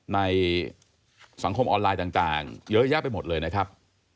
ในสังคมออนไลน์ต่างเยอะแยะไปหมดเลยนะครับ